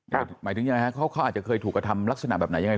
หมายถึงยังไงฮะเขาอาจจะเคยถูกกระทำลักษณะแบบไหนยังไง